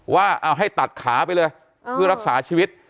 ว่าเอาให้ตัดขาไปเลยเพื่อรักษาชีวิต